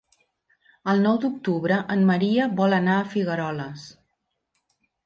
El nou d'octubre en Maria vol anar a Figueroles.